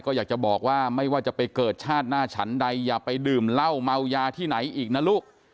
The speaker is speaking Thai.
ก็อยากจะบอกว่าไม่ว่าจะไปเกิดชาติหน้าฉันใดอย่าไปดื่มเหล้าเมายาที่ไหนอีกนะลูก